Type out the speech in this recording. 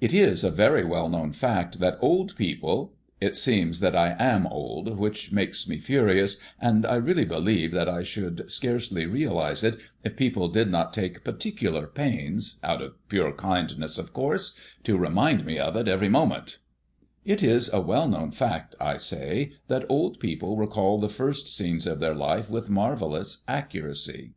It is a very well known fact that old people, it seems that I am old, which makes me furious, and I really believe that I should scarcely realize it, if people did not take particular pains, out of pure kindness, of course, to remind me of it every moment, it is a well known fact, I say, that old people recall the first scenes of their life with marvellous accuracy.